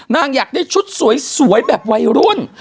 นางอยากได้ชุดสวยแบบวัยรุ่น